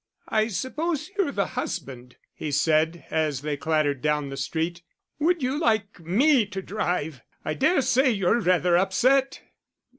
"I suppose you're the husband?" he said, as they clattered down the street. "Would you like me to drive? I dare say you're rather upset."